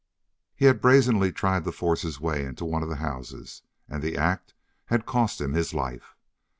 He had brazenly tried to force his way into one of the houses, and the act had cost him his life.